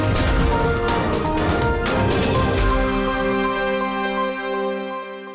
cnn indonesia news keadaan segera kembali